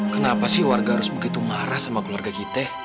kenapa sih warga harus begitu marah sama keluarga kita